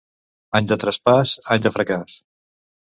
Any de traspàs, any de fracàs.